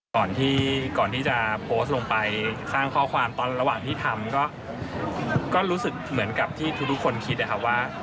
ก่อนที่จะโพสต์ลงไปข้างข้อความตอนระหว่างที่ทำก็รู้สึกเหมือนกับที่ทุกคนคิดนะครับว่า